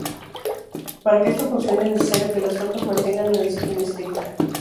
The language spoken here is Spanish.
Para que esto funcione, es necesario que las tropas mantengan una disciplina estricta.